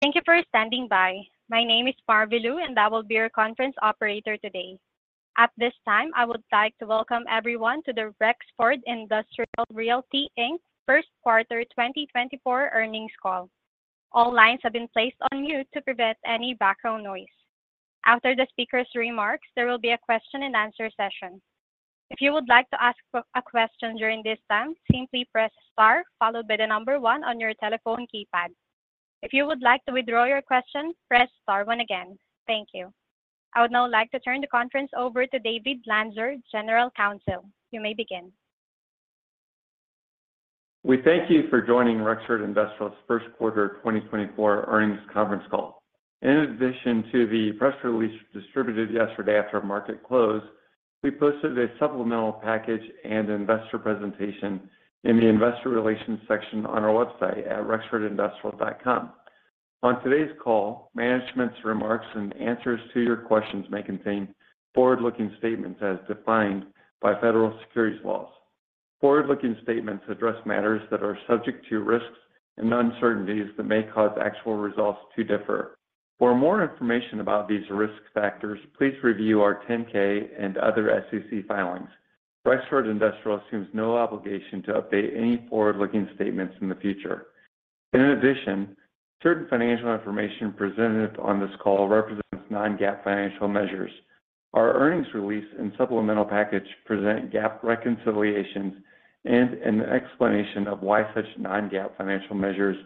Thank you for standing by. My name is Marvin Lu, and I will be your conference operator today. At this time, I would like to welcome everyone to the Rexford Industrial Realty Inc. first quarter 2024 earnings call. All lines have been placed on mute to prevent any background noise. After the speaker's remarks, there will be a question-and-answer session. If you would like to ask a question during this time, simply press star followed by the number on on your telephone keypad. If you would like to withdraw your question, press star again. Thank you. I would now like to turn the conference over to David Lanzer, General Counsel. You may begin. We thank you for joining Rexford Industrial's first quarter 2024 earnings conference call. In addition to the press release distributed yesterday after market close, we posted a supplemental package and investor presentation in the investor relations section on our website at rexfordindustrial.com. On today's call, management's remarks and answers to your questions may contain forward-looking statements as defined by federal securities laws. Forward-looking statements address matters that are subject to risks and uncertainties that may cause actual results to differ. For more information about these risk factors, please review our 10-K and other SEC filings. Rexford Industrial assumes no obligation to update any forward-looking statements in the future. In addition, certain financial information presented on this call represents non-GAAP financial measures. Our earnings release and supplemental package present GAAP reconciliations and an explanation of why such non-GAAP financial measures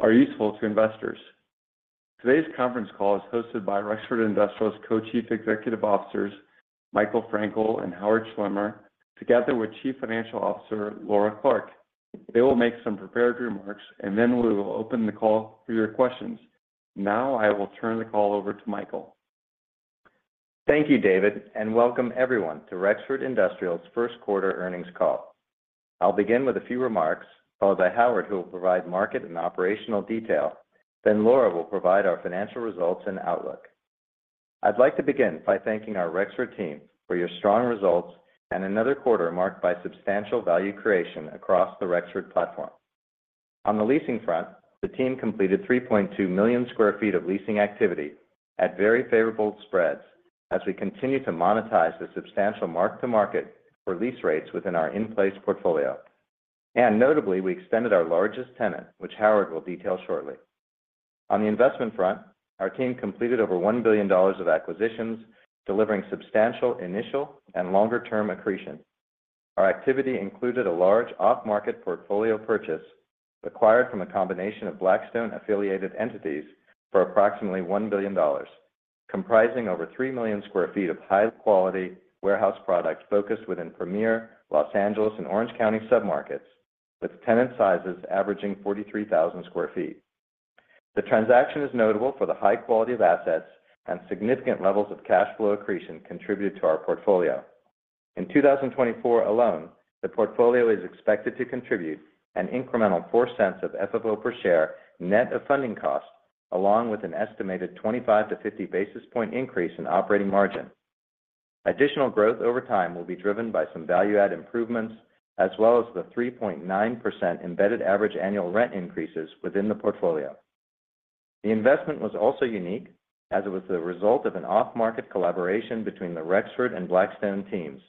are useful to investors. Today's conference call is hosted by Rexford Industrial's Co-Chief Executive Officers, Michael Frankel and Howard Schwimmer, together with Chief Financial Officer Laura Clark. They will make some prepared remarks, and then we will open the call for your questions. Now I will turn the call over to Michael. Thank you, David, and welcome everyone to Rexford Industrial's first quarter earnings call. I'll begin with a few remarks, followed by Howard, who will provide market and operational detail, then Laura will provide our financial results and outlook. I'd like to begin by thanking our Rexford team for your strong results and another quarter marked by substantial value creation across the Rexford platform. On the leasing front, the team completed 3.2 million sq ft of leasing activity at very favorable spreads as we continue to monetize the substantial mark-to-market for lease rates within our in-place portfolio. Notably, we extended our largest tenant, which Howard will detail shortly. On the investment front, our team completed over $1 billion of acquisitions, delivering substantial initial and longer-term accretion. Our activity included a large off-market portfolio purchase acquired from a combination of Blackstone-affiliated entities for approximately $1 billion, comprising over 3 million sq ft of high-quality warehouse product focused within premier Los Angeles and Orange County submarkets, with tenant sizes averaging 43,000 sq ft. The transaction is notable for the high quality of assets and significant levels of cash flow accretion contributed to our portfolio. In 2024 alone, the portfolio is expected to contribute an incremental $0.04 of FFO per share net of funding cost, along with an estimated 25-50 basis points increase in operating margin. Additional growth over time will be driven by some value-add improvements as well as the 3.9% embedded average annual rent increases within the portfolio. The investment was also unique as it was the result of an off-market collaboration between the Rexford and Blackstone teams.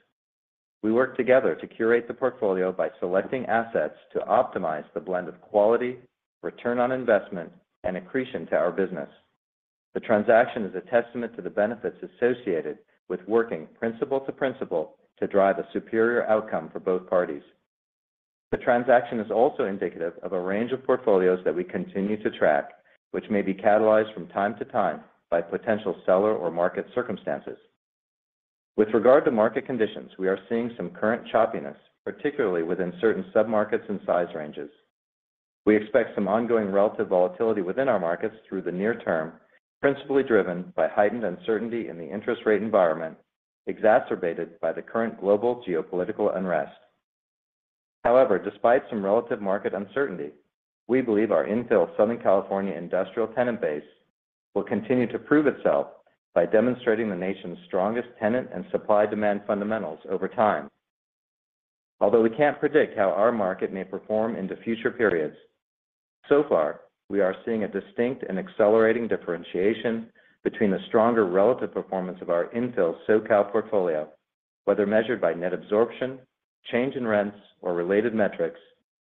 We worked together to curate the portfolio by selecting assets to optimize the blend of quality, return on investment, and accretion to our business. The transaction is a testament to the benefits associated with working principal to principal to drive a superior outcome for both parties. The transaction is also indicative of a range of portfolios that we continue to track, which may be catalyzed from time to time by potential seller or market circumstances. With regard to market conditions, we are seeing some current choppiness, particularly within certain submarkets and size ranges. We expect some ongoing relative volatility within our markets through the near term, principally driven by heightened uncertainty in the interest rate environment exacerbated by the current global geopolitical unrest. However, despite some relative market uncertainty, we believe our infill Southern California industrial tenant base will continue to prove itself by demonstrating the nation's strongest tenant and supply-demand fundamentals over time. Although we can't predict how our market may perform into future periods, so far we are seeing a distinct and accelerating differentiation between the stronger relative performance of our infill SoCal portfolio, whether measured by net absorption, change in rents, or related metrics,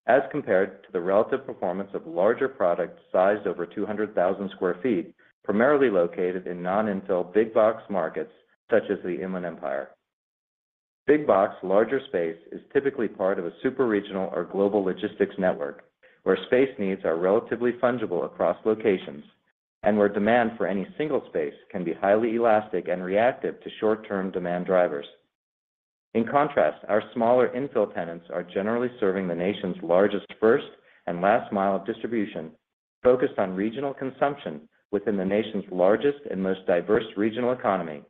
as compared to the relative performance of larger product sized over 200,000 sq ft, primarily located in non-infill big box markets such as the Inland Empire. Big box larger space is typically part of a superregional or global logistics network, where space needs are relatively fungible across locations and where demand for any single space can be highly elastic and reactive to short-term demand drivers. In contrast, our smaller infill tenants are generally serving the nation's largest first and last mile of distribution, focused on regional consumption within the nation's largest and most diverse regional economy,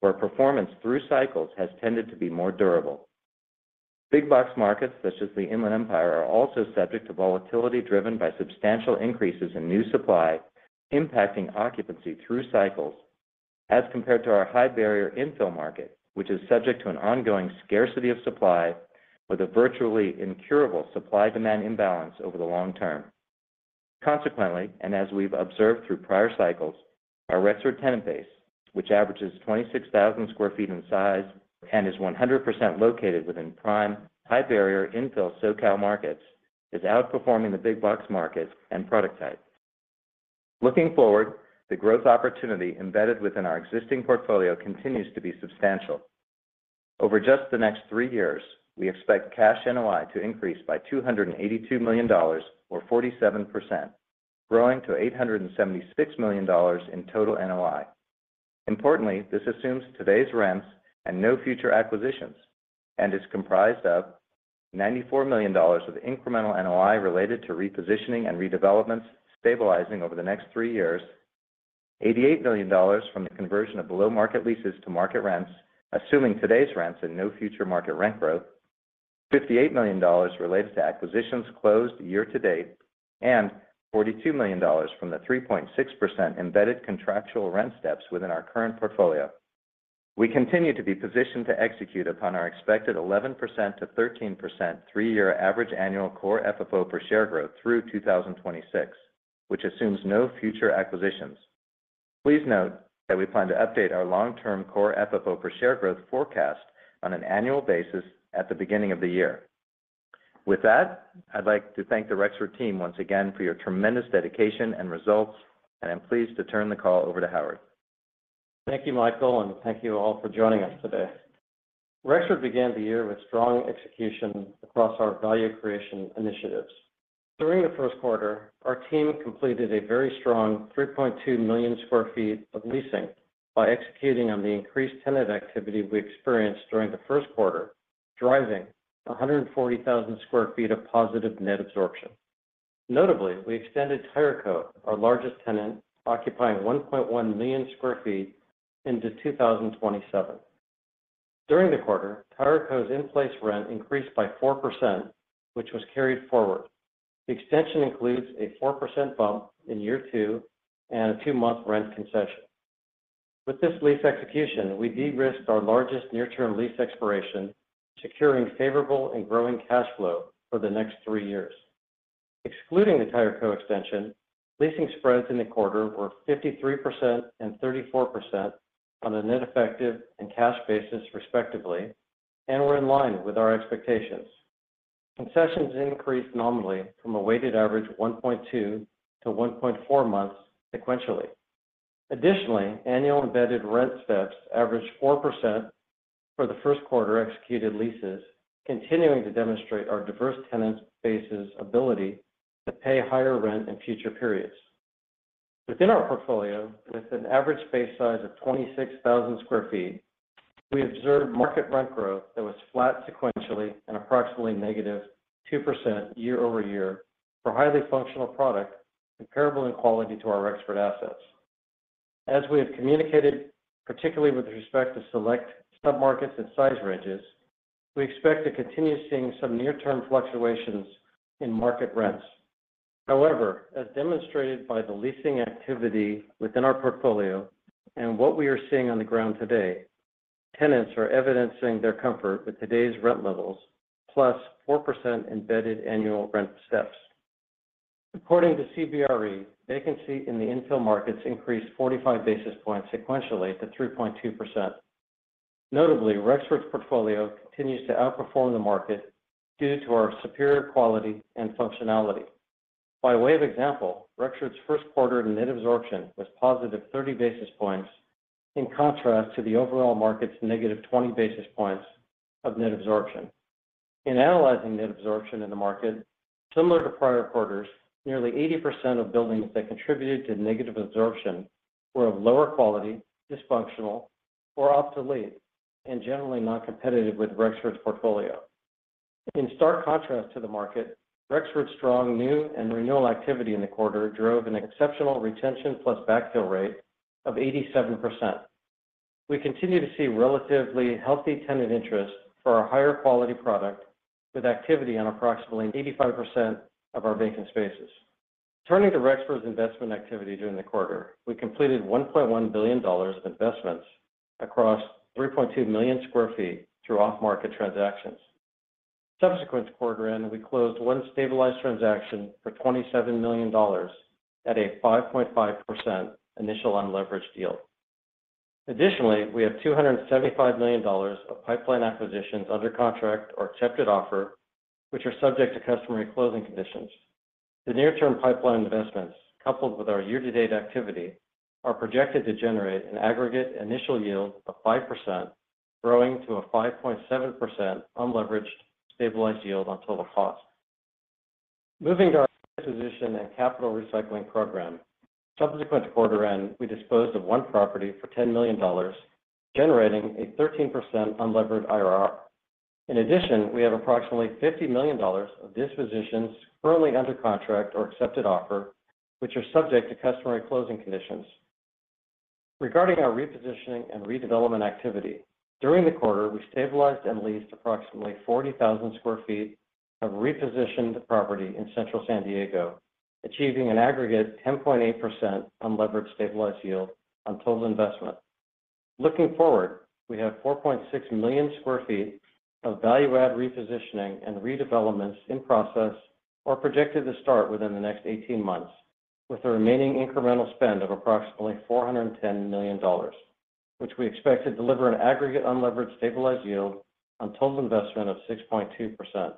where performance through cycles has tended to be more durable. Big box markets such as the Inland Empire are also subject to volatility driven by substantial increases in new supply, impacting occupancy through cycles, as compared to our high barrier infill market, which is subject to an ongoing scarcity of supply with a virtually incurable supply-demand imbalance over the long term. Consequently, and as we've observed through prior cycles, our Rexford tenant base, which averages 26,000 sq ft in size and is 100% located within prime high barrier infill SoCal markets, is outperforming the big box markets and product type. Looking forward, the growth opportunity embedded within our existing portfolio continues to be substantial. Over just the next three years, we expect cash NOI to increase by $282 million, or 47%, growing to $876 million in total NOI. Importantly, this assumes today's rents and no future acquisitions, and is comprised of $94 million of incremental NOI related to repositioning and redevelopments stabilizing over the next three years, $88 million from the conversion of below-market leases to market rents, assuming today's rents and no future market rent growth, $58 million related to acquisitions closed year to date, and $42 million from the 3.6% embedded contractual rent steps within our current portfolio. We continue to be positioned to execute upon our expected 11%-13% three-year average annual core FFO per share growth through 2026, which assumes no future acquisitions. Please note that we plan to update our long-term core FFO per share growth forecast on an annual basis at the beginning of the year. With that, I'd like to thank the Rexford team once again for your tremendous dedication and results, and I'm pleased to turn the call over to Howard. Thank you, Michael, and thank you all for joining us today. Rexford began the year with strong execution across our value creation initiatives. During the first quarter, our team completed a very strong 3.2 million sq ft of leasing by executing on the increased tenant activity we experienced during the first quarter, driving 140,000 sq ft of positive net absorption. Notably, we extended Tireco, our largest tenant, occupying 1.1 million sq ft into 2027. During the quarter, Tireco's in-place rent increased by 4%, which was carried forward. The extension includes a 4% bump in year two and a two-month rent concession. With this lease execution, we de-risked our largest near-term lease expiration, securing favorable and growing cash flow for the next three years. Excluding the Tireco extension, leasing spreads in the quarter were 53% and 34% on a net effective and cash basis, respectively, and were in line with our expectations. Concessions increased nominally from a weighted average of 1.2 to 1.4 months sequentially. Additionally, annual embedded rent steps averaged 4% for the first quarter executed leases, continuing to demonstrate our diverse tenant bases' ability to pay higher rent in future periods. Within our portfolio, with an average base size of 26,000 sq ft, we observed market rent growth that was flat sequentially and approximately -2% year-over-year for highly functional product comparable in quality to our infill assets. As we have communicated, particularly with respect to select submarkets and size ranges, we expect to continue seeing some near-term fluctuations in market rents. However, as demonstrated by the leasing activity within our portfolio and what we are seeing on the ground today, tenants are evidencing their comfort with today's rent levels, plus 4% embedded annual rent steps. According to CBRE, vacancy in the infill markets increased 45 basis points sequentially to 3.2%. Notably, Rexford's portfolio continues to outperform the market due to our superior quality and functionality. By way of example, Rexford's first quarter net absorption was positive 30 basis points, in contrast to the overall market's negative 20 basis points of net absorption. In analyzing net absorption in the market, similar to prior quarters, nearly 80% of buildings that contributed to negative absorption were of lower quality, dysfunctional, or obsolete, and generally non-competitive with Rexford's portfolio. In stark contrast to the market, Rexford's strong new and renewal activity in the quarter drove an exceptional retention plus backfill rate of 87%. We continue to see relatively healthy tenant interest for our higher quality product with activity on approximately 85% of our vacant spaces. Turning to Rexford's investment activity during the quarter, we completed $1.1 billion of investments across 3.2 million sq ft through off-market transactions. Subsequent quarter end, we closed one stabilized transaction for $27 million at a 5.5% initial unleveraged yield. Additionally, we have $275 million of pipeline acquisitions under contract or accepted offer, which are subject to customary closing conditions. The near-term pipeline investments, coupled with our year-to-date activity, are projected to generate an aggregate initial yield of 5%, growing to a 5.7% unleveraged stabilized yield on total cost. Moving to our disposition and capital recycling program, subsequent quarter end, we disposed of one property for $10 million, generating a 13% unleveraged IRR. In addition, we have approximately $50 million of dispositions currently under contract or accepted offer, which are subject to customary closing conditions. Regarding our repositioning and redevelopment activity, during the quarter, we stabilized and leased approximately 40,000 sq ft of repositioned property in Central San Diego, achieving an aggregate 10.8% unleveraged stabilized yield on total investment. Looking forward, we have 4.6 million sq ft of value-add repositioning and redevelopments in process or projected to start within the next 18 months, with the remaining incremental spend of approximately $410 million, which we expect to deliver an aggregate unleveraged stabilized yield on total investment of 6.2%.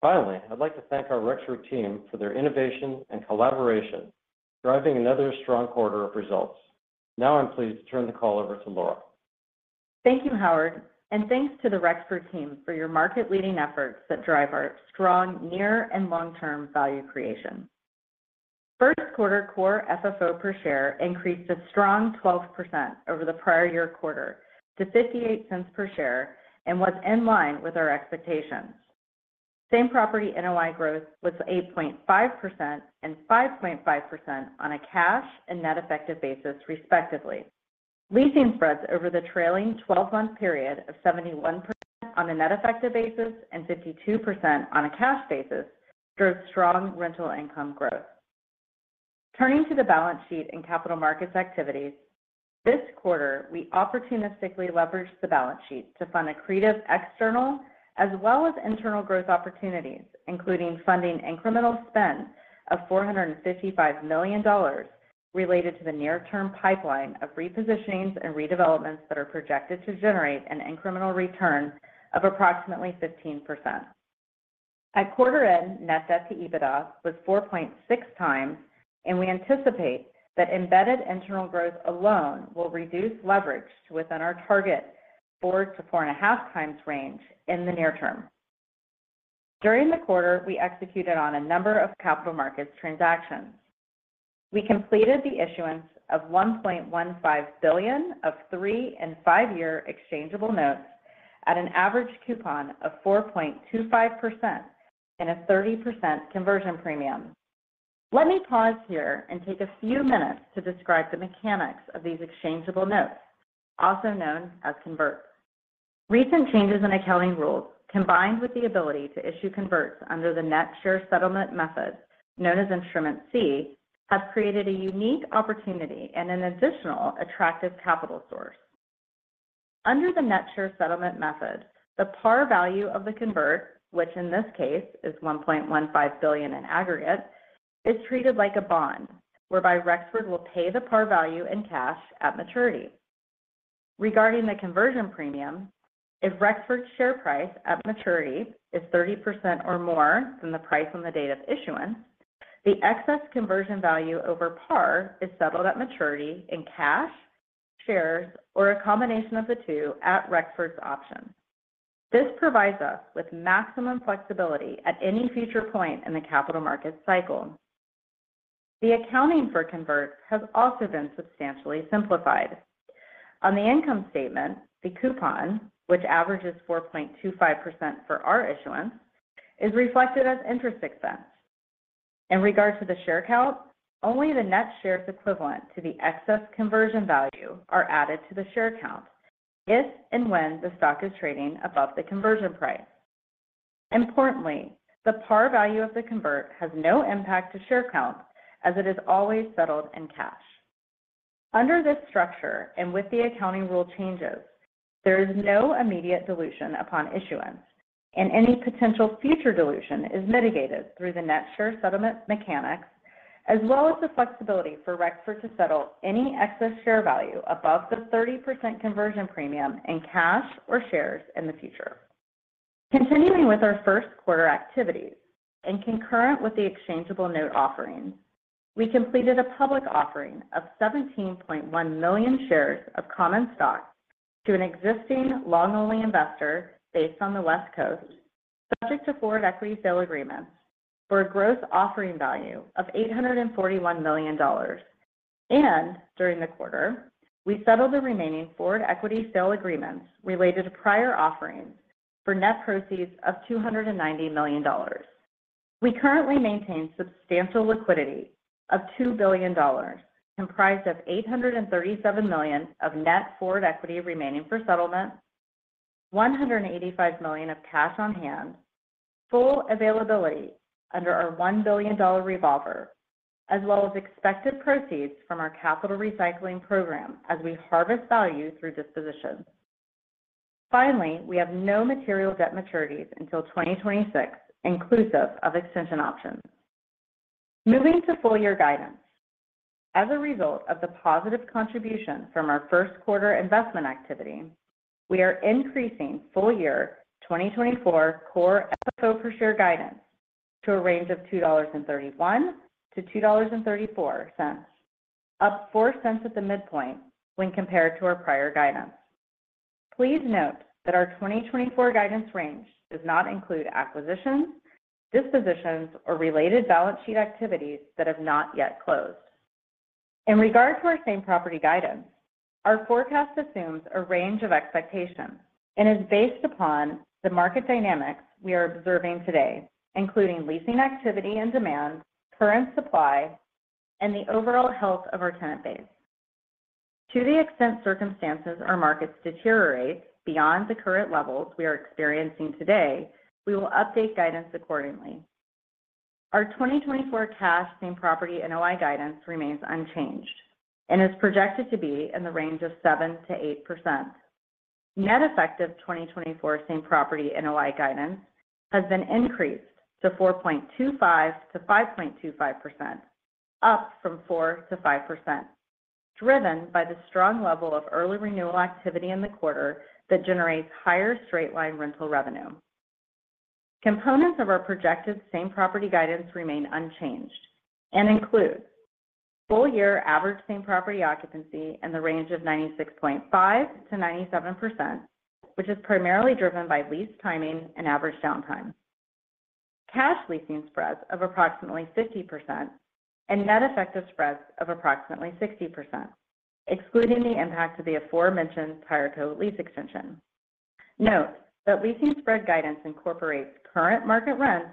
Finally, I'd like to thank our Rexford team for their innovation and collaboration, driving another strong quarter of results. Now I'm pleased to turn the call over to Laura. Thank you, Howard, and thanks to the Rexford team for your market-leading efforts that drive our strong near and long-term value creation. First quarter Core FFO per share increased a strong 12% over the prior year quarter to $0.58 per share and was in line with our expectations. Same Property NOI growth was 8.5% and 5.5% on a cash and net effective basis, respectively. Leasing spreads over the trailing 12-month period of 71% on a net effective basis and 52% on a cash basis drove strong rental income growth. Turning to the balance sheet and capital markets activities, this quarter we opportunistically leveraged the balance sheet to fund a creative external as well as internal growth opportunities, including funding incremental spend of $455 million related to the near-term pipeline of repositionings and redevelopments that are projected to generate an incremental return of approximately 15%. At quarter end, net debt to EBITDA was 4.6 times, and we anticipate that embedded internal growth alone will reduce leverage to within our target 4-4.5 times range in the near term. During the quarter, we executed on a number of capital markets transactions. We completed the issuance of $1.15 billion of 3- and 5-year exchangeable notes at an average coupon of 4.25% and a 30% conversion premium. Let me pause here and take a few minutes to describe the mechanics of these exchangeable notes, also known as converts. Recent changes in accounting rules, combined with the ability to issue converts under the net share settlement method known as Instrument C, have created a unique opportunity and an additional attractive capital source. Under the net share settlement method, the par value of the convert, which in this case is $1.15 billion in aggregate, is treated like a bond, whereby Rexford will pay the par value in cash at maturity. Regarding the conversion premium, if Rexford's share price at maturity is 30% or more than the price on the date of issuance, the excess conversion value over par is settled at maturity in cash, shares, or a combination of the two at Rexford's option. This provides us with maximum flexibility at any future point in the capital markets cycle. The accounting for converts has also been substantially simplified. On the income statement, the coupon, which averages 4.25% for our issuance, is reflected as interest expense. In regard to the share count, only the net shares equivalent to the excess conversion value are added to the share count if and when the stock is trading above the conversion price. Importantly, the par value of the convert has no impact to share count, as it is always settled in cash. Under this structure and with the accounting rule changes, there is no immediate dilution upon issuance, and any potential future dilution is mitigated through the net share settlement mechanics, as well as the flexibility for Rexford to settle any excess share value above the 30% conversion premium in cash or shares in the future. Continuing with our first quarter activities and concurrent with the exchangeable note offerings, we completed a public offering of 17.1 million shares of common stock to an existing long-only investor based on the West Coast, subject to forward equity sale agreements, for a gross offering value of $841 million. During the quarter, we settled the remaining forward equity sale agreements related to prior offerings for net proceeds of $290 million. We currently maintain substantial liquidity of $2 billion, comprised of $837 million of net forward equity remaining for settlement, $185 million of cash on hand, full availability under our $1 billion revolver, as well as expected proceeds from our capital recycling program as we harvest value through disposition. Finally, we have no material debt maturities until 2026, inclusive of extension options. Moving to full-year guidance. As a result of the positive contribution from our first quarter investment activity, we are increasing full-year 2024 Core FFO per share guidance to a range of $2.31-$2.34, up 4 cents at the midpoint when compared to our prior guidance. Please note that our 2024 guidance range does not include acquisitions, dispositions, or related balance sheet activities that have not yet closed. In regard to our same property guidance, our forecast assumes a range of expectations and is based upon the market dynamics we are observing today, including leasing activity and demand, current supply, and the overall health of our tenant base. To the extent circumstances or markets deteriorate beyond the current levels we are experiencing today, we will update guidance accordingly. Our 2024 cash Same Property NOI guidance remains unchanged and is projected to be in the range of 7%-8%. Net effective 2024 Same Property NOI guidance has been increased to 4.25%-5.25%, up from 4%-5%, driven by the strong level of early renewal activity in the quarter that generates higher straight-line rental revenue. Components of our projected Same Property guidance remain unchanged and include full-year average Same Property occupancy in the range of 96.5%-97%, which is primarily driven by lease timing and average downtime, cash leasing spreads of approximately 50%, and net effective spreads of approximately 60%, excluding the impact of the aforementioned Tireco lease extension. Note that leasing spread guidance incorporates current market rents,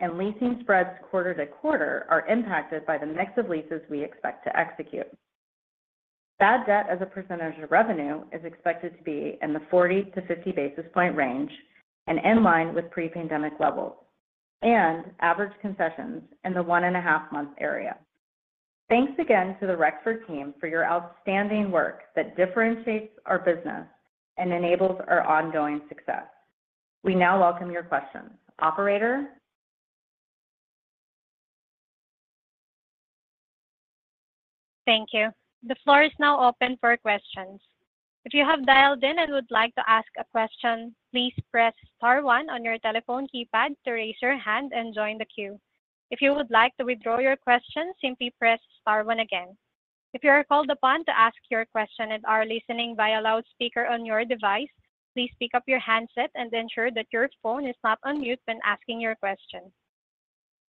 and leasing spreads quarter to quarter are impacted by the mix of leases we expect to execute. Bad debt as a percentage of revenue is expected to be in the 40-50 basis points range and in line with pre-pandemic levels and average concessions in the 1.5-month area. Thanks again to the Rexford team for your outstanding work that differentiates our business and enables our ongoing success. We now welcome your questions. Operator? Thank you. The floor is now open for questions. If you have dialed in and would like to ask a question, please press star one on your telephone keypad to raise your hand and join the queue. If you would like to withdraw your question, simply press star one again. If you are called upon to ask your question and are listening via loudspeaker on your device, please pick up your handset and ensure that your phone is not unmuted when asking your question.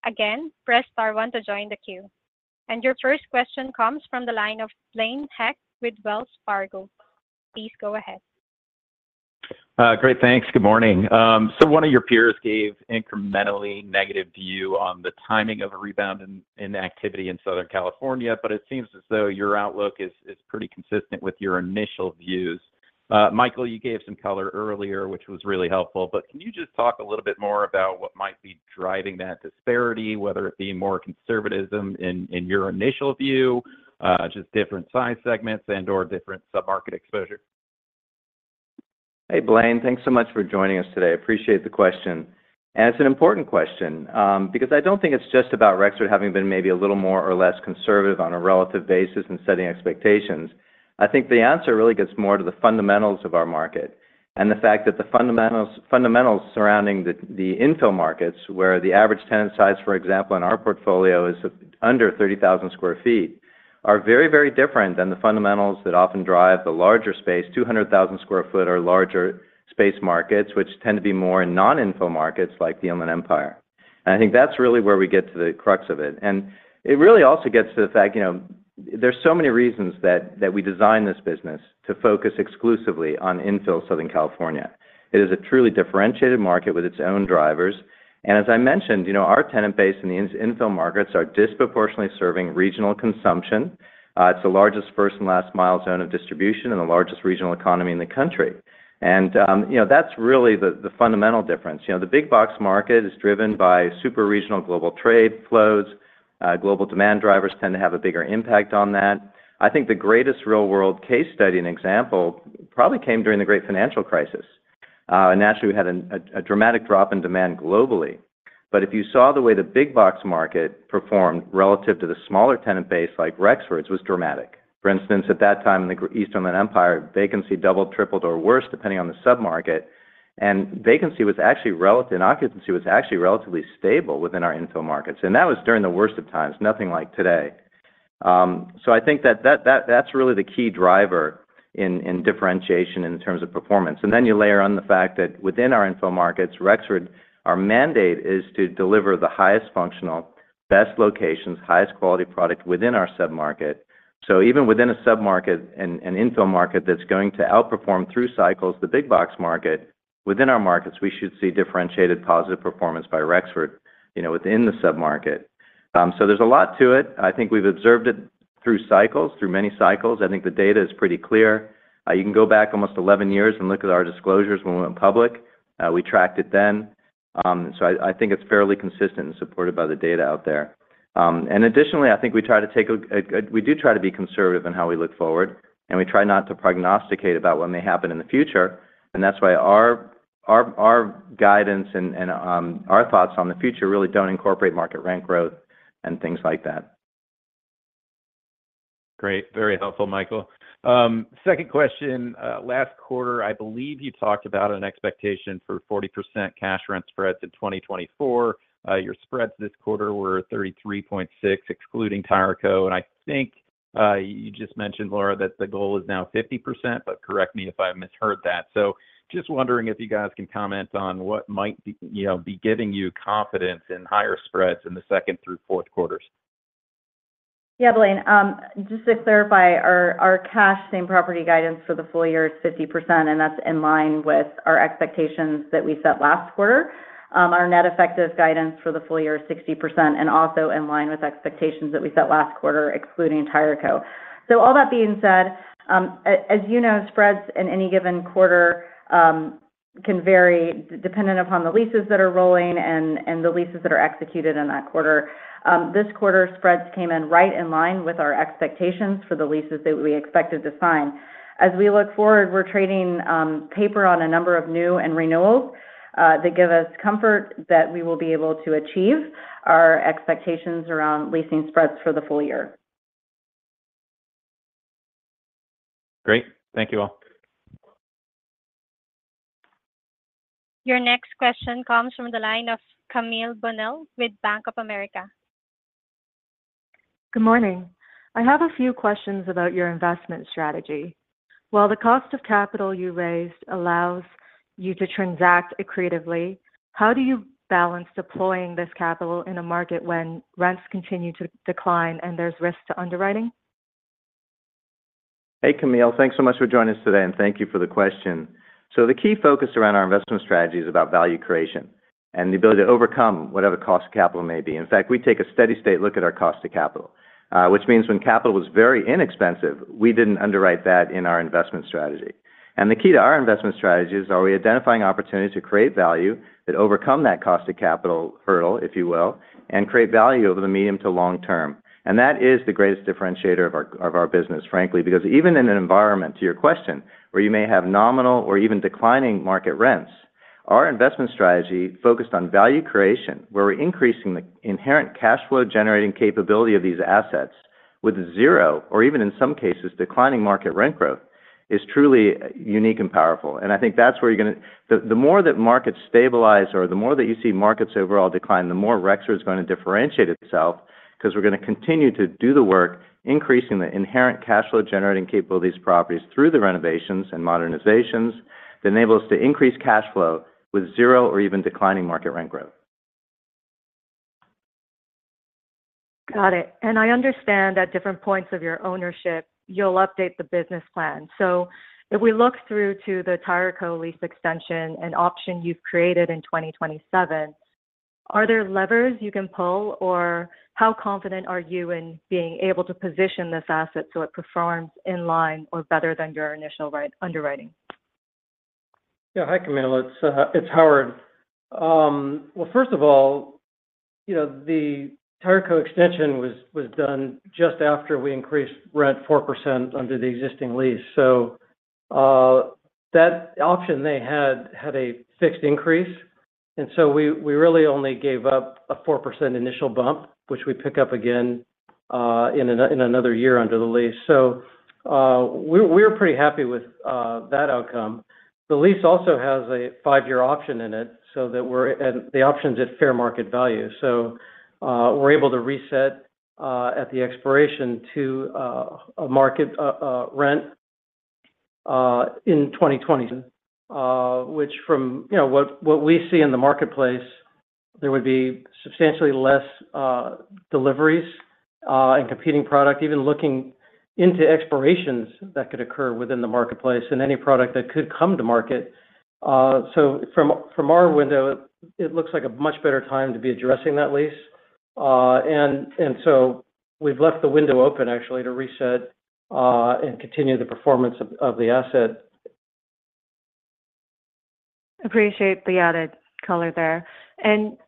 Again, press star one to join the queue. And your first question comes from the line of Blaine Heck with Wells Fargo. Please go ahead. Great, thanks. Good morning. One of your peers gave an incrementally negative view on the timing of a rebound in activity in Southern California, but it seems as though your outlook is pretty consistent with your initial views. Michael, you gave some color earlier, which was really helpful, but can you just talk a little bit more about what might be driving that disparity, whether it be more conservatism in your initial view, just different size segments and/or different submarket exposure? Hey, Blaine, thanks so much for joining us today. Appreciate the question. It's an important question because I don't think it's just about Rexford having been maybe a little more or less conservative on a relative basis in setting expectations. I think the answer really gets more to the fundamentals of our market and the fact that the fundamentals surrounding the infill markets, where the average tenant size, for example, in our portfolio is under 30,000 sq ft, are very, very different than the fundamentals that often drive the larger space, 200,000 sq ft or larger space markets, which tend to be more in non-infill markets like the Inland Empire. I think that's really where we get to the crux of it. It really also gets to the fact there's so many reasons that we design this business to focus exclusively on infill Southern California. It is a truly differentiated market with its own drivers. As I mentioned, our tenant base and the infill markets are disproportionately serving regional consumption. It's the largest first and last milestone of distribution and the largest regional economy in the country. That's really the fundamental difference. The big box market is driven by super regional global trade flows. Global demand drivers tend to have a bigger impact on that. I think the greatest real-world case study and example probably came during the Great Financial Crisis. Naturally, we had a dramatic drop in demand globally. But if you saw the way the big box market performed relative to the smaller tenant base like Rexford's was dramatic. For instance, at that time in the East Inland Empire, vacancy doubled, tripled, or worse, depending on the submarket. Vacancy was actually relative and occupancy was actually relatively stable within our infill markets. That was during the worst of times, nothing like today. So I think that that's really the key driver in differentiation in terms of performance. Then you layer on the fact that within our infill markets, Rexford, our mandate is to deliver the highest functional, best locations, highest quality product within our submarket. So even within a submarket and infill market that's going to outperform through cycles, the big box market, within our markets, we should see differentiated positive performance by Rexford within the submarket. So there's a lot to it. I think we've observed it through cycles, through many cycles. I think the data is pretty clear. You can go back almost 11 years and look at our disclosures when we went public. We tracked it then. I think it's fairly consistent and supported by the data out there. Additionally, I think we do try to be conservative in how we look forward, and we try not to prognosticate about what may happen in the future. That's why our guidance and our thoughts on the future really don't incorporate market rent growth and things like that. Great. Very helpful, Michael. Second question. Last quarter, I believe you talked about an expectation for 40% cash rent spreads in 2024. Your spreads this quarter were 33.6 excluding Tireco. And I think you just mentioned, Laura, that the goal is now 50%, but correct me if I misheard that. So just wondering if you guys can comment on what might be giving you confidence in higher spreads in the second through fourth quarters. Yeah, Blaine. Just to clarify, our cash same property guidance for the full year is 50%, and that's in line with our expectations that we set last quarter. Our net effective guidance for the full year is 60% and also in line with expectations that we set last quarter excluding Tireco. So all that being said, as you know, spreads in any given quarter can vary dependent upon the leases that are rolling and the leases that are executed in that quarter. This quarter, spreads came in right in line with our expectations for the leases that we expected to sign. As we look forward, we're trading paper on a number of new and renewals that give us comfort that we will be able to achieve our expectations around leasing spreads for the full year. Great. Thank you all. Your next question comes from the line of Camille Bonnel with Bank of America. Good morning. I have a few questions about your investment strategy. While the cost of capital you raised allows you to transact accretively, how do you balance deploying this capital in a market when rents continue to decline and there's risk to underwriting? Hey, Camille. Thanks so much for joining us today, and thank you for the question. So the key focus around our investment strategy is about value creation and the ability to overcome whatever cost of capital may be. In fact, we take a steady-state look at our cost of capital, which means when capital was very inexpensive, we didn't underwrite that in our investment strategy. The key to our investment strategy is are we identifying opportunities to create value that overcome that cost of capital hurdle, if you will, and create value over the medium to long term. And that is the greatest differentiator of our business, frankly, because even in an environment, to your question, where you may have nominal or even declining market rents, our investment strategy focused on value creation, where we're increasing the inherent cash flow generating capability of these assets with zero or even in some cases declining market rent growth, is truly unique and powerful. And I think that's where you're going to the more that markets stabilize or the more that you see markets overall decline, the more Rexford's going to differentiate itself because we're going to continue to do the work increasing the inherent cash flow generating capabilities properties through the renovations and modernizations that enable us to increase cash flow with zero or even declining market rent growth. Got it. I understand at different points of your ownership, you'll update the business plan. If we look through to the Tireco lease extension and option you've created in 2027, are there levers you can pull, or how confident are you in being able to position this asset so it performs in line or better than your initial underwriting? Yeah, hi, Camille. It's Howard. Well, first of all, the Tireco extension was done just after we increased rent 4% under the existing lease. So that option they had had a fixed increase. And so we really only gave up a 4% initial bump, which we pick up again in another year under the lease. So we're pretty happy with that outcome. The lease also has a five-year option in it, and the option's at fair market value. So we're able to reset at the expiration to a market rent in 2020. Which from what we see in the marketplace, there would be substantially less deliveries and competing product, even looking into expirations that could occur within the marketplace and any product that could come to market. So from our window, it looks like a much better time to be addressing that lease. And so we've left the window open, actually, to reset and continue the performance of the asset. Appreciate the added color there.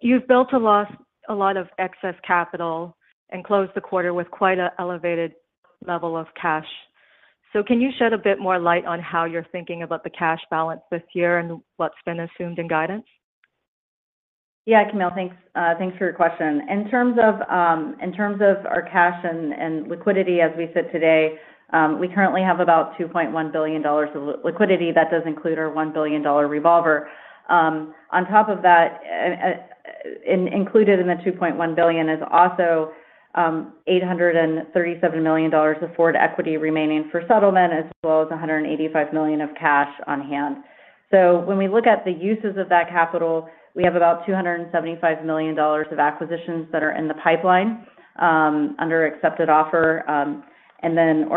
You've built a lot of excess capital and closed the quarter with quite an elevated level of cash. Can you shed a bit more light on how you're thinking about the cash balance this year and what's been assumed in guidance? Yeah, Camille, thanks for your question. In terms of our cash and liquidity as we sit today, we currently have about $2.1 billion of liquidity. That does include our $1 billion revolver. On top of that, included in the $2.1 billion is also $837 million of forward equity remaining for settlement as well as $185 million of cash on hand. So when we look at the uses of that capital, we have about $275 million of acquisitions that are in the pipeline under accepted offer or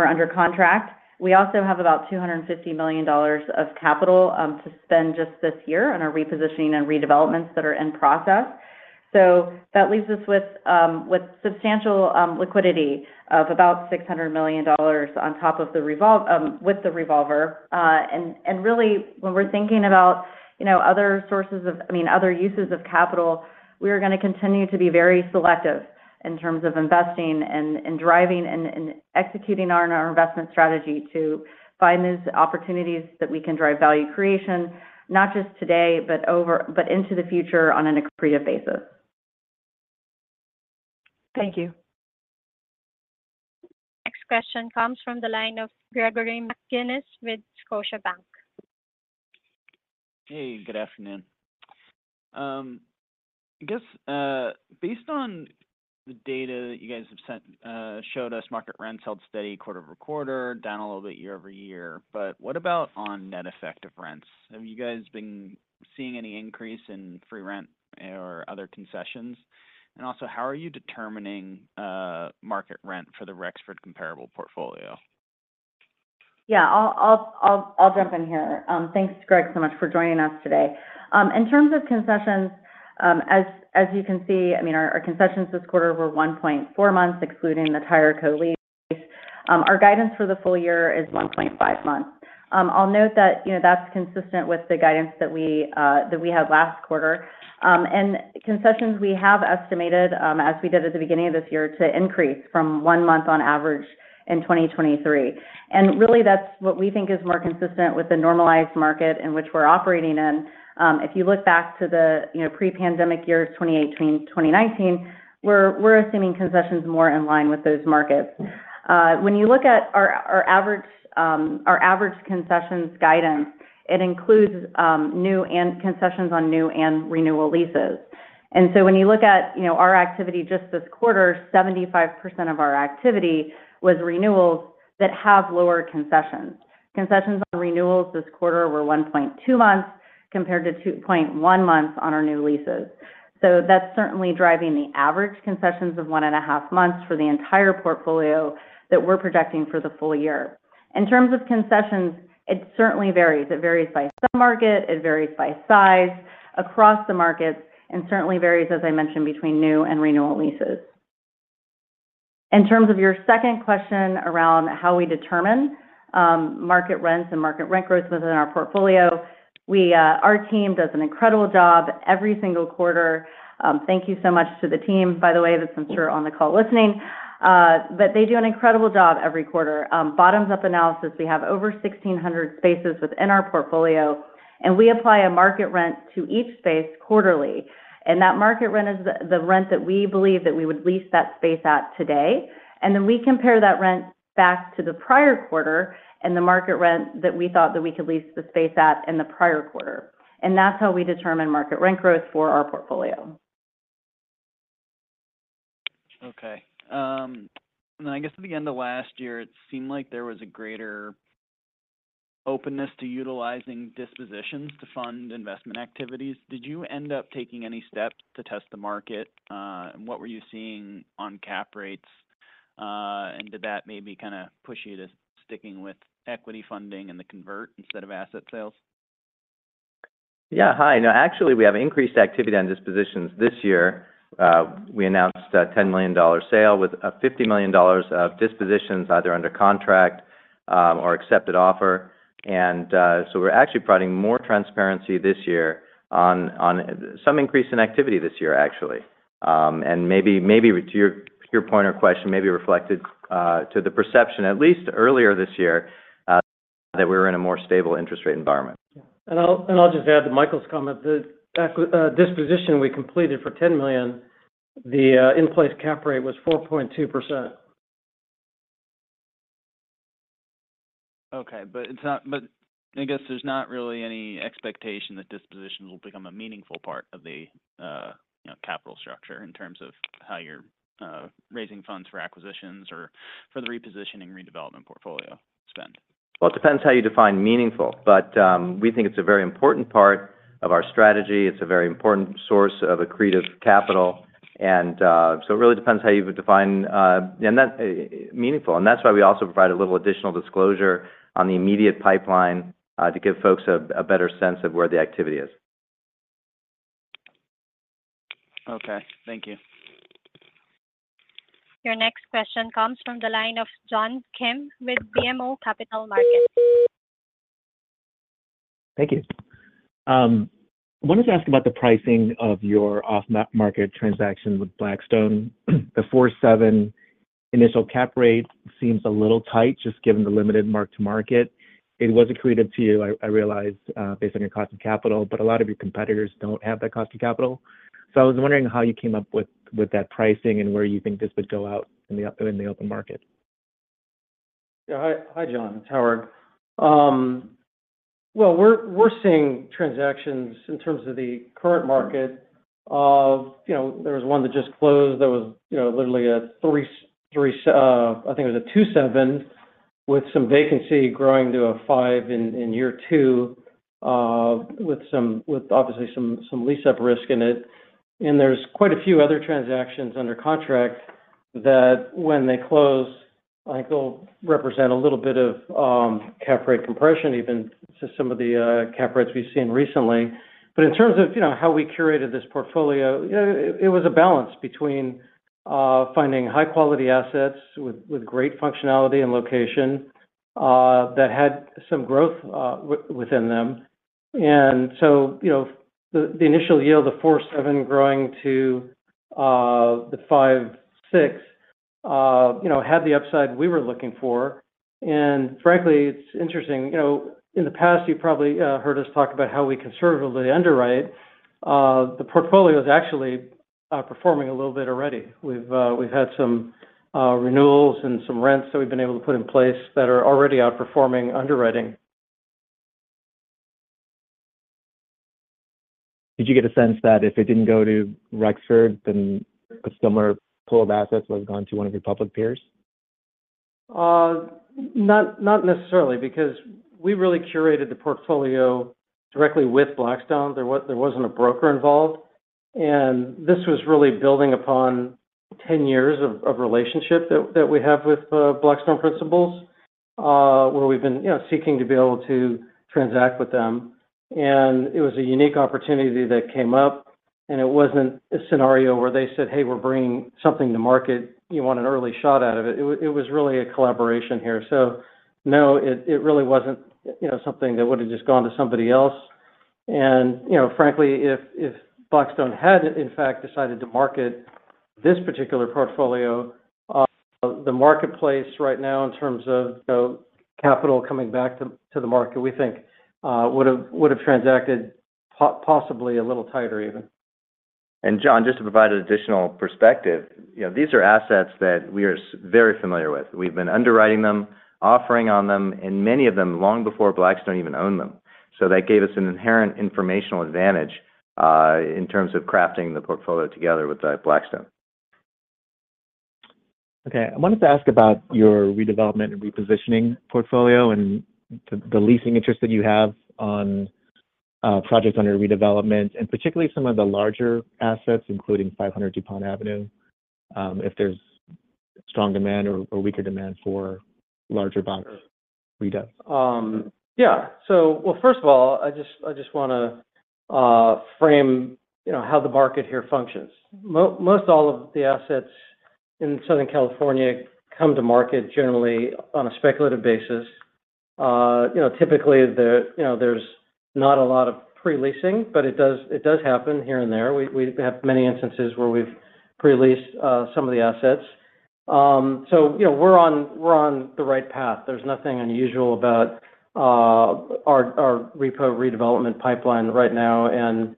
under contract. We also have about $250 million of capital to spend just this year on our repositioning and redevelopments that are in process. So that leaves us with substantial liquidity of about $600 million with the revolver. Really, when we're thinking about other sources of I mean, other uses of capital, we are going to continue to be very selective in terms of investing and driving and executing on our investment strategy to find these opportunities that we can drive value creation, not just today, but into the future on an accretive basis. Thank you. Next question comes from the line of Greg McGinniss with Scotiabank. Hey, good afternoon. I guess based on the data that you guys have showed us, market rents held steady quarter-over-quarter, down a little bit year-over-year. But what about on net effective rents? Have you guys been seeing any increase in free rent or other concessions? Also, how are you determining market rent for the Rexford comparable portfolio? Yeah, I'll jump in here. Thanks, Greg, so much for joining us today. In terms of concessions, as you can see, I mean, our concessions this quarter were 1.4 months excluding the Tireco lease. Our guidance for the full year is 1.5 months. I'll note that that's consistent with the guidance that we had last quarter. Concessions, we have estimated, as we did at the beginning of this year, to increase from one month on average in 2023. Really, that's what we think is more consistent with the normalized market in which we're operating in. If you look back to the pre-pandemic years, 2018, 2019, we're assuming concessions more in line with those markets. When you look at our average concessions guidance, it includes concessions on new and renewal leases. So when you look at our activity just this quarter, 75% of our activity was renewals that have lower concessions. Concessions on renewals this quarter were 1.2 months compared to 2.1 months on our new leases. So that's certainly driving the average concessions of 1.5 months for the entire portfolio that we're projecting for the full year. In terms of concessions, it certainly varies. It varies by submarket. It varies by size across the markets and certainly varies, as I mentioned, between new and renewal leases. In terms of your second question around how we determine market rents and market rent growth within our portfolio, our team does an incredible job every single quarter. Thank you so much to the team, by the way, that's been through on the call listening. But they do an incredible job every quarter. Bottoms-up analysis, we have over 1,600 spaces within our portfolio, and we apply a market rent to each space quarterly. That market rent is the rent that we believe that we would lease that space at today. Then we compare that rent back to the prior quarter and the market rent that we thought that we could lease the space at in the prior quarter. That's how we determine market rent growth for our portfolio. Okay. And then I guess at the end of last year, it seemed like there was a greater openness to utilizing dispositions to fund investment activities. Did you end up taking any steps to test the market? And what were you seeing on cap rates? And did that maybe kind of push you to sticking with equity funding and the convert instead of asset sales? Yeah, hi. No, actually, we have increased activity on dispositions this year. We announced a $10 million sale with a $50 million of dispositions either under contract or accepted offer. And so we're actually providing more transparency this year on some increase in activity this year, actually. And maybe to your point or question, maybe reflected to the perception, at least earlier this year, that we were in a more stable interest rate environment. Yeah. And I'll just add to Michael's comment, the disposition we completed for $10 million, the in-place cap rate was 4.2%. Okay. But I guess there's not really any expectation that dispositions will become a meaningful part of the capital structure in terms of how you're raising funds for acquisitions or for the repositioning, redevelopment portfolio spend? Well, it depends how you define meaningful. But we think it's a very important part of our strategy. It's a very important source of accretive capital. And so it really depends how you define meaningful. And that's why we also provide a little additional disclosure on the immediate pipeline to give folks a better sense of where the activity is. Okay. Thank you. Your next question comes from the line of John Kim with BMO Capital Markets. Thank you. I wanted to ask about the pricing of your off-market transaction with Blackstone. The 4.7 initial cap rate seems a little tight just given the limited mark-to-market. It was accretive to you, I realize, based on your cost of capital, but a lot of your competitors don't have that cost of capital. So I was wondering how you came up with that pricing and where you think this would go out in the open market. Yeah, hi, John. It's Howard. Well, we're seeing transactions in terms of the current market. There was one that just closed. That was literally a 3, I think it was a 2.7 with some vacancy growing to a 5 in year two with obviously some lease-up risk in it. And there's quite a few other transactions under contract that when they close, I think, will represent a little bit of cap rate compression, even to some of the cap rates we've seen recently. But in terms of how we curated this portfolio, it was a balance between finding high-quality assets with great functionality and location that had some growth within them. And so the initial yield, the 4.7 growing to the 5.6, had the upside we were looking for. And frankly, it's interesting. In the past, you've probably heard us talk about how we conservatively underwrite. The portfolio is actually performing a little bit already. We've had some renewals and some rents that we've been able to put in place that are already outperforming underwriting. Did you get a sense that if it didn't go to Rexford, then a similar pool of assets was gone to one of your public peers? Not necessarily because we really curated the portfolio directly with Blackstone. There wasn't a broker involved. This was really building upon 10 years of relationship that we have with Blackstone principals, where we've been seeking to be able to transact with them. It was a unique opportunity that came up. It wasn't a scenario where they said, "Hey, we're bringing something to market. You want an early shot out of it." It was really a collaboration here. So no, it really wasn't something that would have just gone to somebody else. Frankly, if Blackstone had, in fact, decided to market this particular portfolio, the marketplace right now in terms of capital coming back to the market, we think, would have transacted possibly a little tighter even. John, just to provide an additional perspective, these are assets that we are very familiar with. We've been underwriting them, offering on them, and many of them long before Blackstone even owned them. That gave us an inherent informational advantage in terms of crafting the portfolio together with Blackstone. Okay. I wanted to ask about your redevelopment and repositioning portfolio and the leasing interest that you have on projects under redevelopment, and particularly some of the larger assets, including 500 Dupont Avenue, if there's strong demand or weaker demand for larger box redevs? Yeah. So well, first of all, I just want to frame how the market here functions. Most all of the assets in Southern California come to market generally on a speculative basis. Typically, there's not a lot of pre-leasing, but it does happen here and there. We have many instances where we've pre-leased some of the assets. So we're on the right path. There's nothing unusual about our repo redevelopment pipeline right now and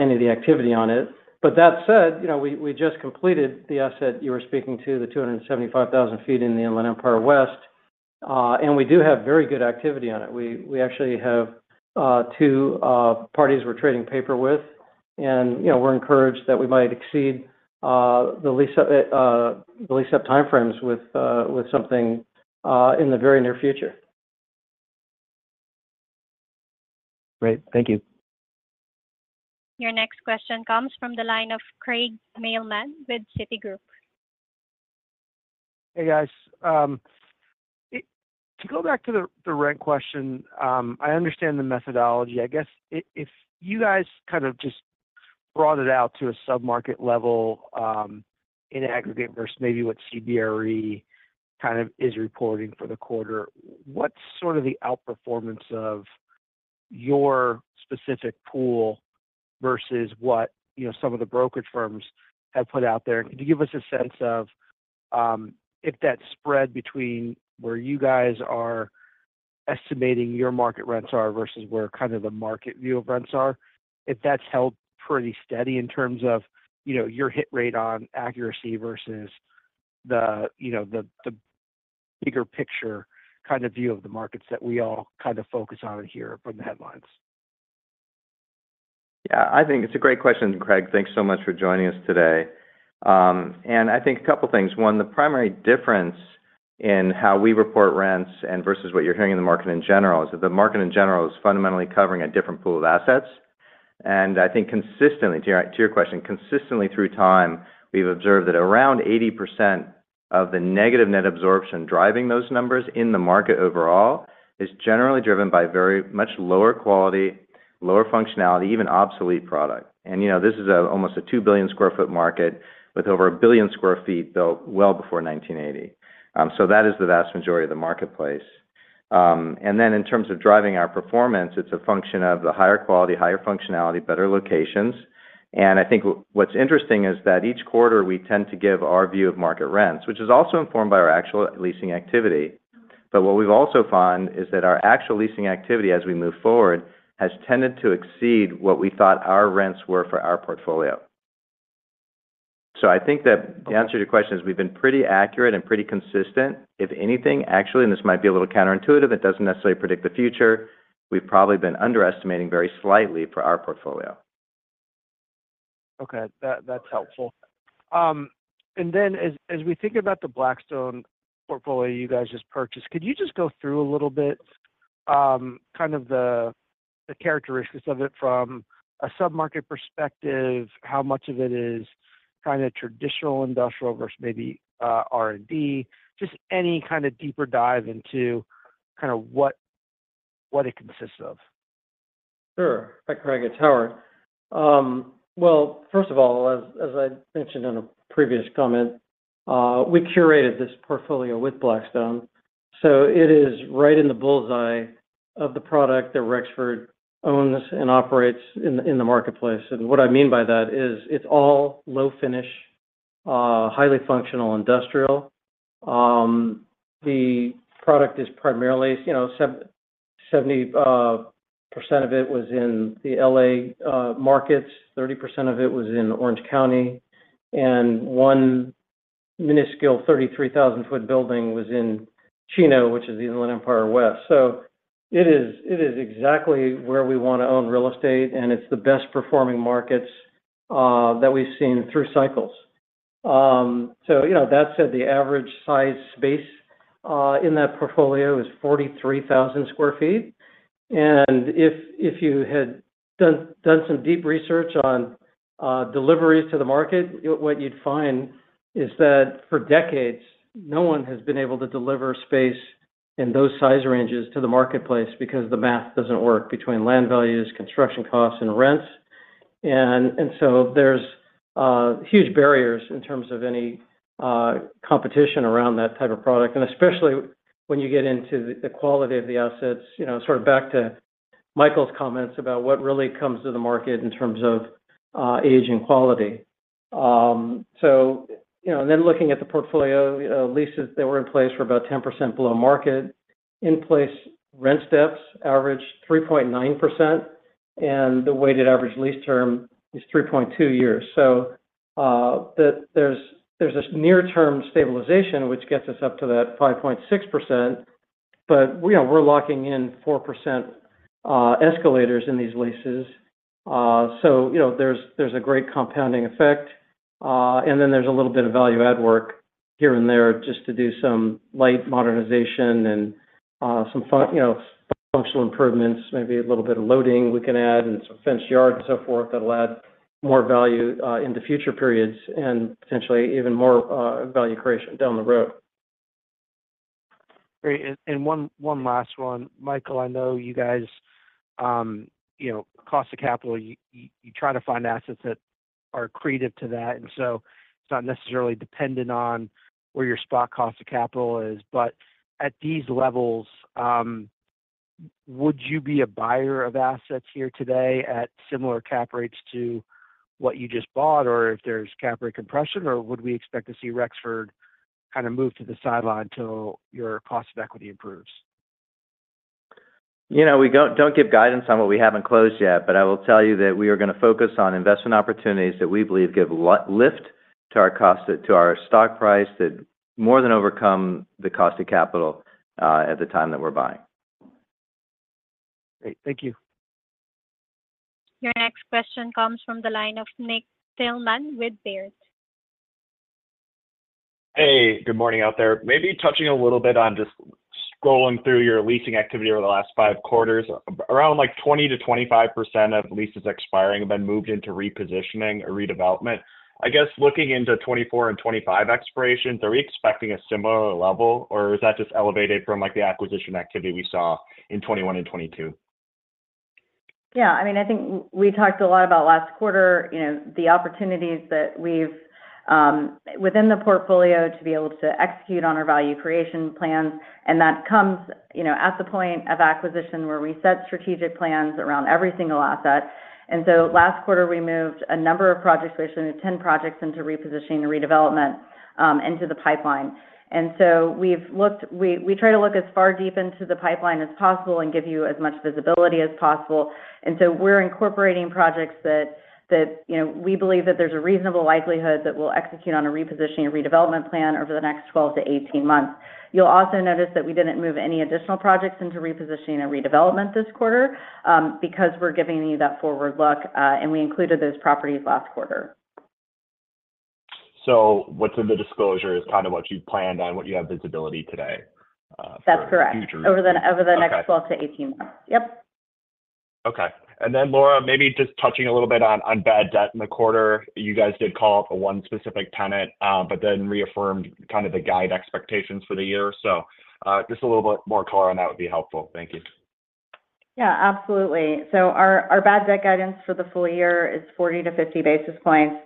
any of the activity on it. But that said, we just completed the asset you were speaking to, the 275,000-square-foot in the Inland Empire West. And we do have very good activity on it. We actually have two parties we're trading paper with. And we're encouraged that we might exceed the lease-up timeframes with something in the very near future. Great. Thank you. Your next question comes from the line of Craig Mailman with Citigroup. Hey, guys. To go back to the rent question, I understand the methodology. I guess if you guys kind of just brought it out to a submarket level in aggregate versus maybe what CBRE kind of is reporting for the quarter, what's sort of the outperformance of your specific pool versus what some of the brokerage firms have put out there? And could you give us a sense of if that spread between where you guys are estimating your market rents are versus where kind of the market view of rents are, if that's held pretty steady in terms of your hit rate on accuracy versus the bigger picture kind of view of the markets that we all kind of focus on here from the headlines? Yeah, I think it's a great question, Craig. Thanks so much for joining us today. I think a couple of things. One, the primary difference in how we report rents versus what you're hearing in the market in general is that the market in general is fundamentally covering a different pool of assets. I think consistently, to your question, consistently through time, we've observed that around 80% of the negative net absorption driving those numbers in the market overall is generally driven by very much lower quality, lower functionality, even obsolete product. This is almost a 2 billion sq ft market with over a billion sq ft built well before 1980. So that is the vast majority of the marketplace. Then in terms of driving our performance, it's a function of the higher quality, higher functionality, better locations. I think what's interesting is that each quarter, we tend to give our view of market rents, which is also informed by our actual leasing activity. But what we've also found is that our actual leasing activity, as we move forward, has tended to exceed what we thought our rents were for our portfolio. So I think that the answer to your question is we've been pretty accurate and pretty consistent. If anything, actually, and this might be a little counterintuitive, it doesn't necessarily predict the future. We've probably been underestimating very slightly for our portfolio. Okay. That's helpful. And then as we think about the Blackstone portfolio you guys just purchased, could you just go through a little bit kind of the characteristics of it from a submarket perspective, how much of it is kind of traditional industrial versus maybe R&D, just any kind of deeper dive into kind of what it consists of? Sure. Hi, Craig. It's Howard. Well, first of all, as I mentioned in a previous comment, we curated this portfolio with Blackstone. So it is right in the bull's-eye of the product that Rexford owns and operates in the marketplace. And what I mean by that is it's all low-finish, highly functional, industrial. The product is primarily 70% of it was in the L.A. markets, 30% of it was in Orange County, and one minuscule 33,000-square-foot building was in Chino, which is the Inland Empire West. It is exactly where we want to own real estate, and it's the best-performing markets that we've seen through cycles. That said, the average size space in that portfolio is 43,000 sq ft. If you had done some deep research on deliveries to the market, what you'd find is that for decades, no one has been able to deliver space in those size ranges to the marketplace because the math doesn't work between land values, construction costs, and rents. So there's huge barriers in terms of any competition around that type of product, and especially when you get into the quality of the assets, sort of back to Michael's comments about what really comes to the market in terms of age and quality. Then looking at the portfolio, leases that were in place were about 10% below market. In-place rent steps averaged 3.9%, and the weighted average lease term is 3.2 years. So there's a near-term stabilization, which gets us up to that 5.6%. But we're locking in 4% escalators in these leases. So there's a great compounding effect. And then there's a little bit of value-add work here and there just to do some light modernization and some functional improvements, maybe a little bit of loading we can add and some fenced yard and so forth that'll add more value into future periods and potentially even more value creation down the road. Great. And one last one. Michael, I know you guys' cost of capital, you try to find assets that are accretive to that. And so it's not necessarily dependent on where your spot cost of capital is. But at these levels, would you be a buyer of assets here today at similar cap rates to what you just bought, or if there's cap rate compression, or would we expect to see Rexford kind of move to the sideline till your cost of equity improves? We don't give guidance on what we haven't closed yet, but I will tell you that we are going to focus on investment opportunities that we believe give lift to our stock price that more than overcome the cost of capital at the time that we're buying. Great. Thank you. Your next question comes from the line of Nick Thillman with Baird. Hey, good morning out there. Maybe touching a little bit on just scrolling through your leasing activity over the last five quarters, around 20%-25% of leases expiring have been moved into repositioning or redevelopment. I guess looking into 2024 and 2025 expirations, are we expecting a similar level, or is that just elevated from the acquisition activity we saw in 2021 and 2022? Yeah. I mean, I think we talked a lot about last quarter, the opportunities that we've within the portfolio to be able to execute on our value creation plans. And that comes at the point of acquisition where we set strategic plans around every single asset. And so last quarter, we moved a number of projects, we actually moved 10 projects into repositioning and redevelopment into the pipeline. And so we try to look as far deep into the pipeline as possible and give you as much visibility as possible. And so we're incorporating projects that we believe that there's a reasonable likelihood that we'll execute on a repositioning and redevelopment plan over the next 12-18 months. You'll also notice that we didn't move any additional projects into repositioning and redevelopment this quarter because we're giving you that forward look, and we included those properties last quarter. What's in the disclosure is kind of what you've planned on, what you have visibility today for the future. That's correct. Over the next 12-18 months. Yep. Okay. And then, Laura, maybe just touching a little bit on bad debt in the quarter. You guys did call it a one-specific tenant, but then reaffirmed kind of the guide expectations for the year. So just a little bit more color on that would be helpful. Thank you. Yeah, absolutely. So our bad debt guidance for the full year is 40-50 basis points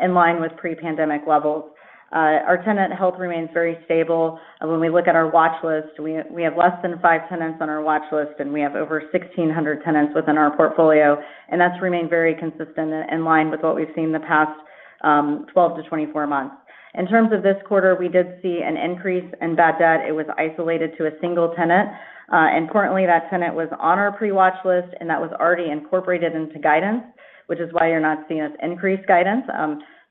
in line with pre-pandemic levels. Our tenant health remains very stable. When we look at our watchlist, we have less than five tenants on our watchlist, and we have over 1,600 tenants within our portfolio. And that's remained very consistent in line with what we've seen in the past 12-24 months. In terms of this quarter, we did see an increase in bad debt. It was isolated to a single tenant. And currently, that tenant was on our pre-watchlist, and that was already incorporated into guidance, which is why you're not seeing us increase guidance.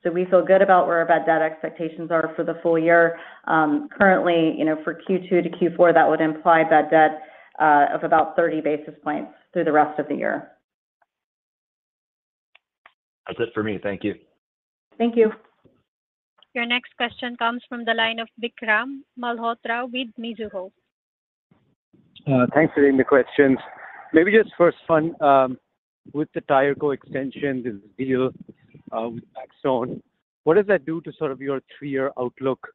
So we feel good about where our bad debt expectations are for the full year. Currently, for Q2 to Q4, that would imply bad debt of about 30 basis points through the rest of the year. That's it for me. Thank you. Thank you. Your next question comes from the line of Vikram Malhotra with Mizuho. Thanks for taking the questions. Maybe just first one with the Tireco extension deal with Blackstone, what does that do to sort of your three-year outlook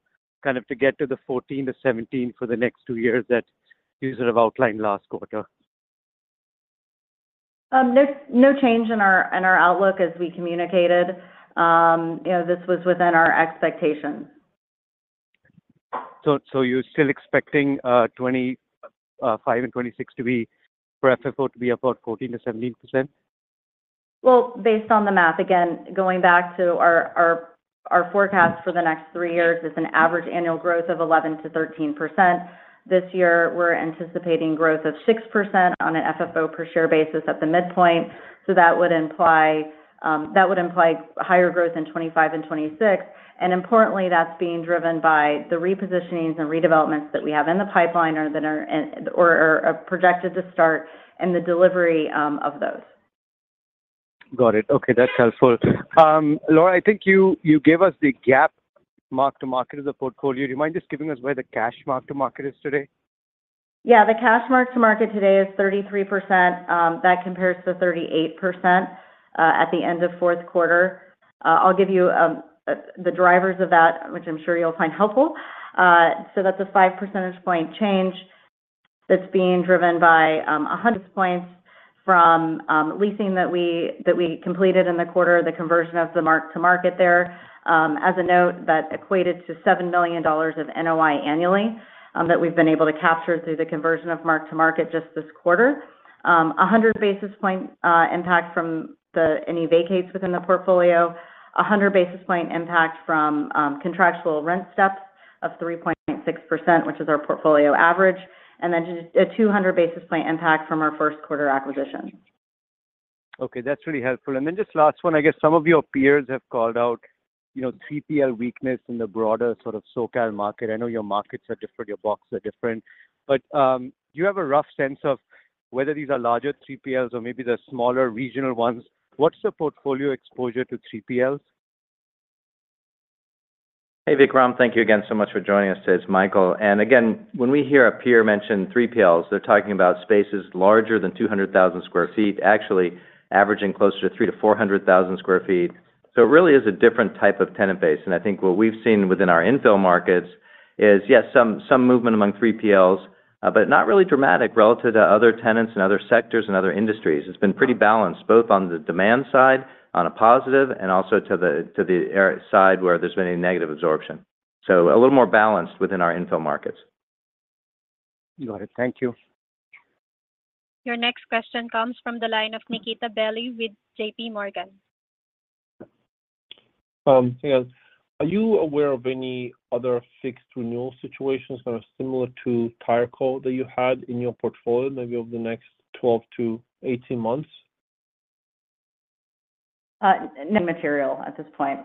kind of to get to the 14% to 17% for the next two years that you sort of outlined last quarter? No change in our outlook as we communicated. This was within our expectations. You're still expecting 2025 and 2026 for FFO to be about 14%-17%? Well, based on the math, again, going back to our forecast for the next three years, it's an average annual growth of 11%-13%. This year, we're anticipating growth of 6% on an FFO per share basis at the midpoint. So that would imply higher growth in 2025 and 2026. And importantly, that's being driven by the repositionings and redevelopments that we have in the pipeline or are projected to start and the delivery of those. Got it. Okay. That's helpful. Laura, I think you gave us the GAAP mark-to-market of the portfolio. Do you mind just giving us where the cash mark-to-market is today? Yeah. The cash mark-to-market today is 33%. That compares to 38% at the end of fourth quarter. I'll give you the drivers of that, which I'm sure you'll find helpful. So that's a 5 percentage point change that's being driven by points from leasing that we completed in the quarter, the conversion of the mark-to-market there. As a note, that equated to $7 million of NOI annually that we've been able to capture through the conversion of mark-to-market just this quarter. A 100-basis-point impact from any vacates within the portfolio. A 100-basis-point impact from contractual rent steps of 3.6%, which is our portfolio average. And then a 200-basis-point impact from our first-quarter acquisition. Okay. That's really helpful. And then just last one, I guess some of your peers have called out 3PL weakness in the broader sort of SoCal market. I know your markets are different. Your boxes are different. But do you have a rough sense of whether these are larger 3PLs or maybe they're smaller regional ones? What's the portfolio exposure to 3PLs? Hey, Vikram. Thank you again so much for joining us today. It's Michael. And again, when we hear a peer mention 3PLs, they're talking about spaces larger than 200,000 sq ft, actually averaging closer to 300,000-400,000 sq ft. So it really is a different type of tenant base. And I think what we've seen within our infill markets is, yes, some movement among 3PLs, but not really dramatic relative to other tenants and other sectors and other industries. It's been pretty balanced both on the demand side, on a positive, and also to the side where there's been any negative absorption. So a little more balanced within our infill markets. Got it. Thank you. Your next question comes from the line of Nikita Bely with J.P. Morgan. Hey, guys. Are you aware of any other fixed renewal situations that are similar to Tireco that you had in your portfolio, maybe over the next 12-18 months? No material at this point.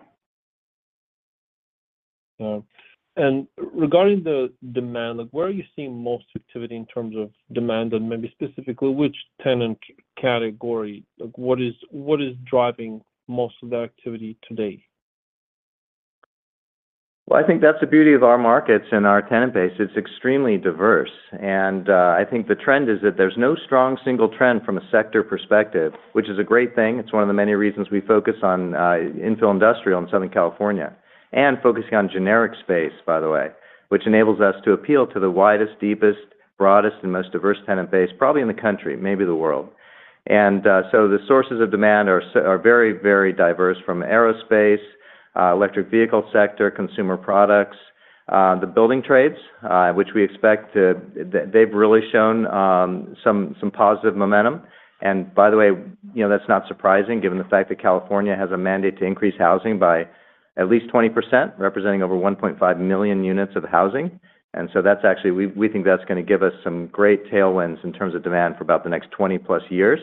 Regarding the demand, where are you seeing most activity in terms of demand? Maybe specifically, which tenant category? What is driving most of that activity today? Well, I think that's the beauty of our markets and our tenant base. It's extremely diverse. And I think the trend is that there's no strong single trend from a sector perspective, which is a great thing. It's one of the many reasons we focus on infill industrial in Southern California, and focusing on generic space, by the way, which enables us to appeal to the widest, deepest, broadest, and most diverse tenant base, probably in the country, maybe the world. And so the sources of demand are very, very diverse from aerospace, electric vehicle sector, consumer products, the building trades, which we expect to they've really shown some positive momentum. And by the way, that's not surprising given the fact that California has a mandate to increase housing by at least 20%, representing over 1.5 million units of housing. So we think that's going to give us some great tailwinds in terms of demand for about the next 20+ years.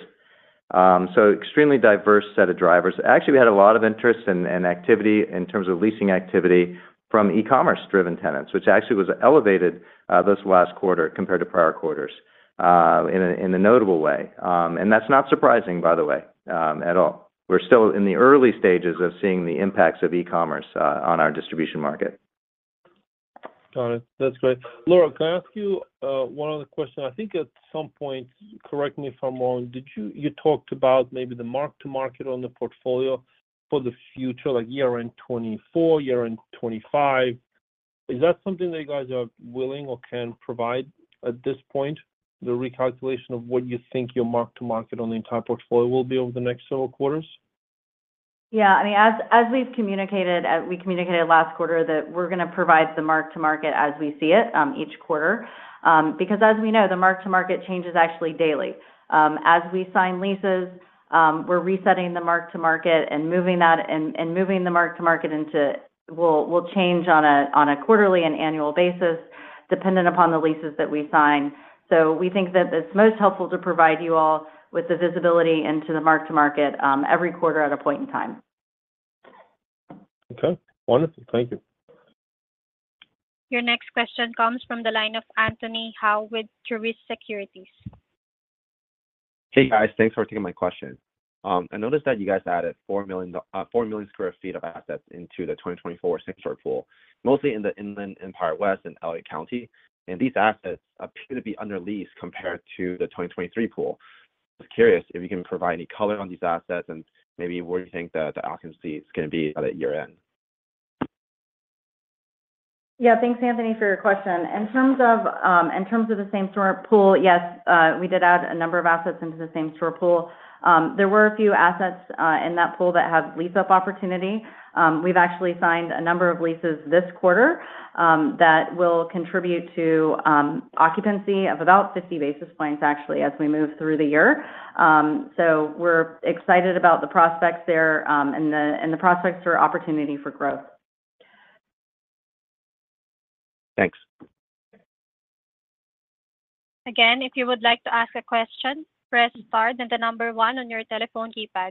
So extremely diverse set of drivers. Actually, we had a lot of interest and activity in terms of leasing activity from e-commerce-driven tenants, which actually was elevated this last quarter compared to prior quarters in a notable way. And that's not surprising, by the way, at all. We're still in the early stages of seeing the impacts of e-commerce on our distribution market. Got it. That's great. Laura, can I ask you one other question? I think at some point, correct me if I'm wrong, you talked about maybe the mark-to-market on the portfolio for the future, like year-end 2024, year-end 2025. Is that something that you guys are willing or can provide at this point, the recalculation of what you think your mark-to-market on the entire portfolio will be over the next several quarters? Yeah. I mean, as we've communicated, we communicated last quarter that we're going to provide the mark-to-market as we see it each quarter. Because as we know, the mark-to-market changes actually daily. As we sign leases, we're resetting the mark-to-market and moving that and moving the mark-to-market into. We'll change on a quarterly and annual basis dependent upon the leases that we sign. So we think that it's most helpful to provide you all with the visibility into the mark-to-market every quarter at a point in time. Okay. Wonderful. Thank you. Your next question comes from the line of Anthony Hau with Truist Securities. Hey, guys. Thanks for taking my question. I noticed that you guys added 4 million sq ft of assets into the 2024 same-store pool, mostly in the Inland Empire West and L.A. County. And these assets appear to be underleased compared to the 2023 pool. Just curious if you can provide any color on these assets and maybe where you think the occupancy is going to be at year-end. Yeah. Thanks, Anthony, for your question. In terms of the same-store pool, yes, we did add a number of assets into the same-store pool. There were a few assets in that pool that have lease-up opportunity. We've actually signed a number of leases this quarter that will contribute to occupancy of about 50 basis points, actually, as we move through the year. So we're excited about the prospects there and the prospects for opportunity for growth. Thanks. Again, if you would like to ask a question, press star and the number one on your telephone keypad.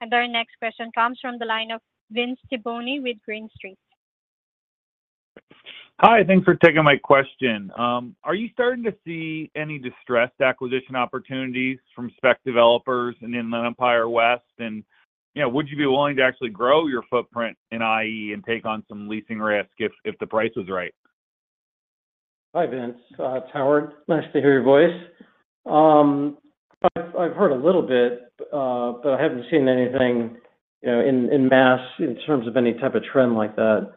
Our next question comes from the line of Vince Tibone with Green Street. Hi. Thanks for taking my question. Are you starting to see any distressed acquisition opportunities from spec developers in Inland Empire West? And would you be willing to actually grow your footprint in IE and take on some leasing risk if the price was right? Hi, Vince. Howard. Nice to hear your voice. I've heard a little bit, but I haven't seen anything en masse in terms of any type of trend like that.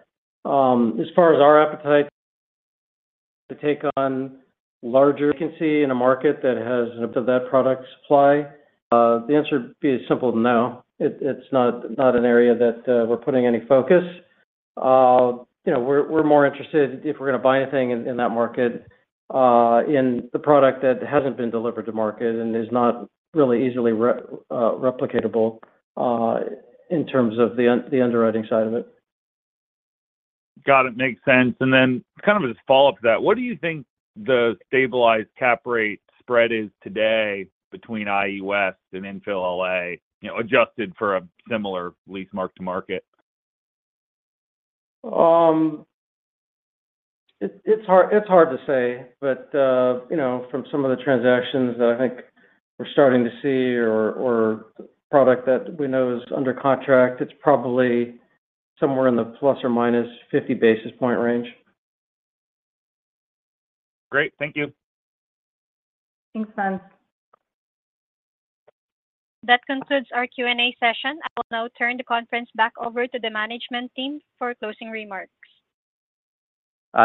As far as our appetite to take on larger vacancy in a market that has that product supply? The answer would be as simple as no. It's not an area that we're putting any focus. We're more interested, if we're going to buy anything in that market, in the product that hasn't been delivered to market and is not really easily replicatable in terms of the underwriting side of it. Got it. Makes sense. And then kind of as a follow-up to that, what do you think the stabilized cap rate spread is today between IE West and infill L.A., adjusted for a similar lease mark-to-market? It's hard to say. But from some of the transactions that I think we're starting to see or product that we know is under contract, it's probably somewhere in the ±50 basis point range. Great. Thank you. Thanks, Vince. That concludes our Q&A session. I will now turn the conference back over to the management team for closing remarks.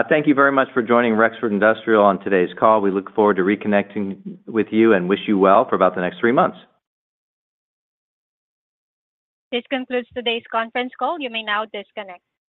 Thank you very much for joining Rexford Industrial on today's call. We look forward to reconnecting with you and wish you well for about the next three months. This concludes today's conference call. You may now disconnect.